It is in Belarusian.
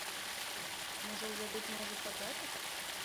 Можа, увядуць новы падатак?